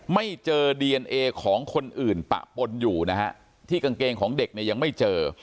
ไม่เจอดีเอนเอของคนอื่นปะปนอยู่นะฮะที่กางเกงของเด็กเนี่ยยังไม่เจอ